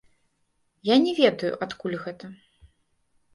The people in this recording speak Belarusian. Я не ведаю, адкуль гэта.